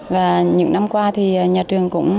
và những năm qua thì nhà trường cũng